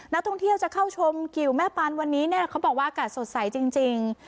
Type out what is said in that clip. นักท่องเที่ยวจะเข้าชมกิวแม่ปานวันนี้เนี่ยเขาบอกว่าอากาศสดใสจริง